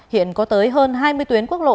hiện có tới hơn hai mươi tuyến quốc lộ